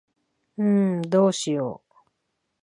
んーどうしよ。